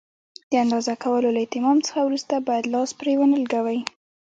د اندازه کولو له اتمام څخه وروسته باید لاس پرې ونه لګوئ.